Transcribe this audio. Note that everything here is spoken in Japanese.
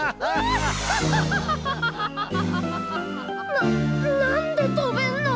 ななんでとべんの？